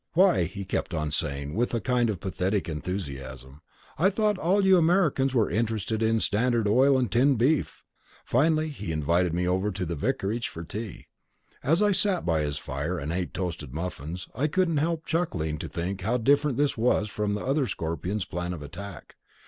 "Why," he kept on saying, with a kind of pathetic enthusiasm, "I thought all you Americans were interested in was Standard Oil and tinned beef." Finally he invited me over to the vicarage for tea. As I sat by his fire and ate toasted muffins I couldn't help chuckling to think how different this was from the other Scorpions' plan of attack.